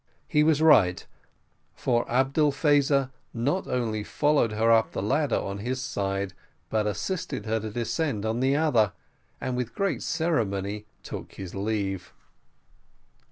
He was right, for Abdel Faza not only followed her up the ladder on his side, but assisted her to descend on the other, and with great ceremony took his leave.